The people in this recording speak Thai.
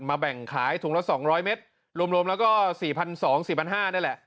แบ่งขายถุงละ๒๐๐เมตรรวมแล้วก็๔๒๐๐๔๕๐๐นี่แหละ